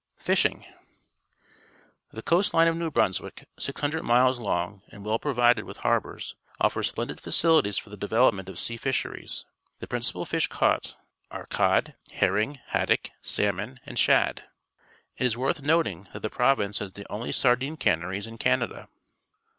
Fishing. — The coast line of New Bruns wick, 600 miles long and well provided with harbours, offers splendid facilities for the development of sea fisheries. The principal NEW BRUNSWICK 99 fish caught are cod, herring, haddo ck, salmon, and shad^ It is worth noting that the province has the_pnly sardine canneries in Ca nada.